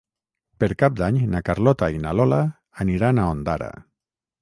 Per Cap d'Any na Carlota i na Lola aniran a Ondara.